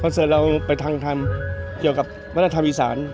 คอนเสิร์ตเราไปทางถามวันธรรมอีสาน